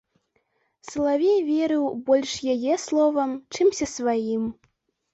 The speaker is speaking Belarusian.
Салавей верыў больш яе словам, чымся сваім.